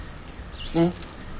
うん？